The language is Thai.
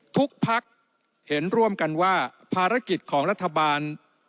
ภักดิ์เห็นร่วมกันว่าภารกิจของรัฐบาล